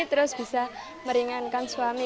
terus bisa meringankan suami